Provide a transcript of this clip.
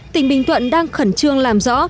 tỉnh bình tuận đang khẩn trương làm rõ